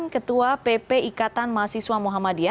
ketua pp ikatan mahasiswa muhammadiyah